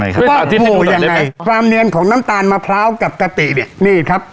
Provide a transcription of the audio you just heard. กะปิโวคือความเนียนของน้ำตาลมะพร้าวกับกะปินี่ครับ